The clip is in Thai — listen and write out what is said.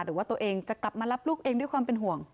หรือว่าตัวเองจะกลับมารับลูกเองด้วยความเป็นห่วง